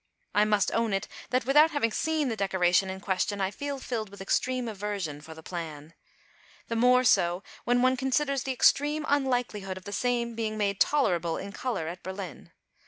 I must own it, that without having seen the decoration in question, I feel filled with extreme aversion for the plan. The more so when one considers the extreme unlikelihood of the same being made tolerable in colour at Berlin.